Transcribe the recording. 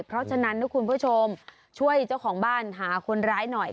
เพราะฉะนั้นนะคุณผู้ชมช่วยเจ้าของบ้านหาคนร้ายหน่อย